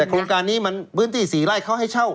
โครงการนี้มันพื้นที่๔ไร่เขาให้เช่า